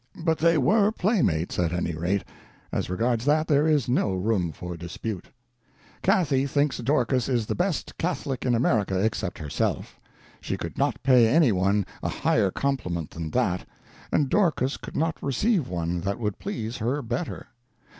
But they were playmates, at any rate; as regards that, there is no room for dispute. Cathy thinks Dorcas is the best Catholic in America except herself. She could not pay any one a higher compliment than that, and Dorcas could not receive one that would please her better.